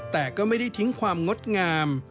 แต่ก็ไม่ได้ทิ้งความงดงาม